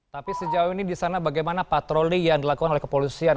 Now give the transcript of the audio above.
tapi sejauh ini di sana bagaimana patroli yang dilakukan oleh kepolisian